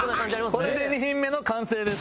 これで２品目の完成です。